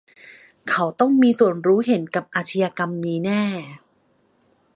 เขาต้องมีส่วนรู้เห็นกับอาชญากรรมนี้แน่